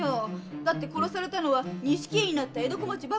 だって殺されたのは錦絵になった江戸小町ばかりだろ。